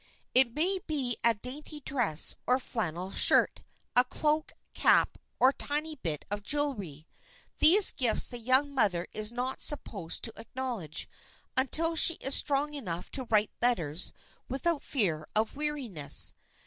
It may be a dainty dress or flannel skirt, a cloak, cap or tiny bit of jewelry. These gifts the young mother is not supposed to acknowledge until she is strong enough to write letters without fear of weariness.